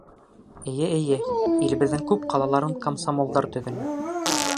Эйе-эйе, илебеҙҙең күп ҡалаларын комсомолдар төҙөнө.